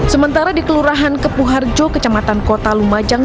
sementara di kelurahan kepuharjo kecamatan kota lumajang